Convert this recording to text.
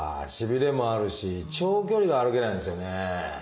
しびれもあるし長距離が歩けないんですよね。